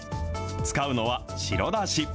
使うのは白だし。